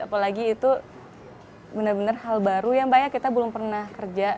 apalagi itu benar benar hal baru yang banyak kita belum pernah kerja